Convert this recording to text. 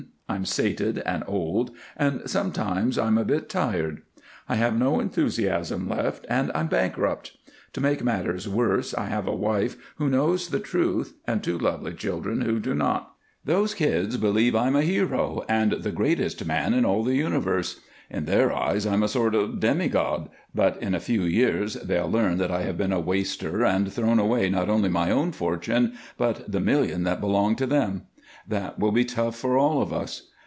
I'm sated and old, and sometimes I'm a bit tired. I have no enthusiasm left, and I'm bankrupt. To make matters worse I have a wife who knows the truth and two lovely children who do not. Those kids believe I'm a hero and the greatest man in all the universe; in their eyes I'm a sort of demigod, but in a few years they'll learn that I have been a waster and thrown away not only my own fortune, but the million that belonged to them. That will be tough for all of us.